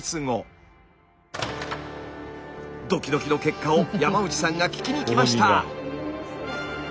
ドキドキの結果を山内さんが聞きに来ました。